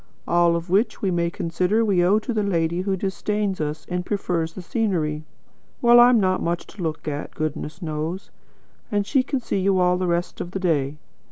All of which we may consider we owe to the lady who disdains us and prefers the scenery. Well, I'm not much to look at, goodness knows; and she can see you all the rest of the day.